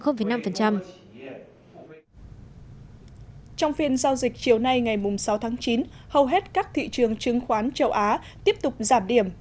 trong phiên giao dịch chiều nay ngày sáu tháng chín hầu hết các thị trường chứng khoán châu á tiếp tục giảm điểm